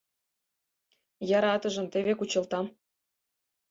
Яра атыжым теве кучылтам...